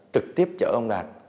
tực tiếp chở ông đạt